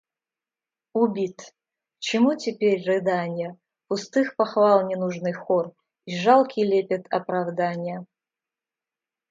Убит!.. к чему теперь рыданья, пустых похвал ненужный хор и жалкий лепет оправданья?